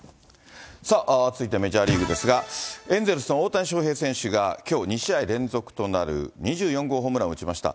さあ、続いてメジャーリーグですが、エンゼルスの大谷翔平選手が、きょう２試合連続となる２４号ホームランを打ちました。